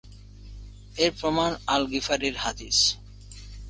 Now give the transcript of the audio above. এর প্রমাণ আল-গিফারির হাদিস।